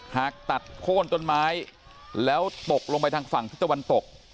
หากตัดโค้นต้นไม้แล้วตกลงไปทางฝั่งทิศตะวันตก